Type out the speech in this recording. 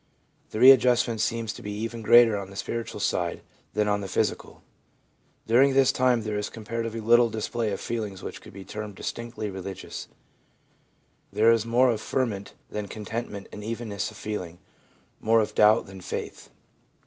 The readjustment seems to be even greater on the spiritual side than on the physical. During this time there is comparatively little display of feelings which could be termed distinctly religious ; there is more of ferment than contentment and evenness of feeling, more of doubt than faith.